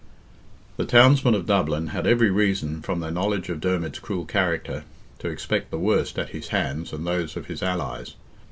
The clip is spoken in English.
The townsmen of Dublin had every reason, from their knowledge of Dermid's cruel character, to expect the worst at his hands and those of his allies.